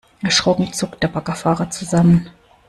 Erschrocken zuckt der Baggerfahrer zusammen.